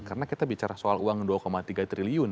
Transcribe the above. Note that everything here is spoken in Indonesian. karena kita bicara soal uang dua tiga triliun